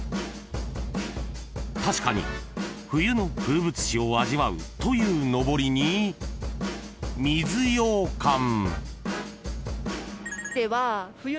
［確かに「冬の風物詩を味わう」というのぼりに水ようかん］